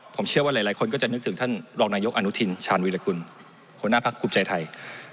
ผมเชื่อว่าหลายคนก็จะนึกถึงท่านรองนายกอนุทินชาญวีรกุลหัวหน้าพักภูมิใจไทย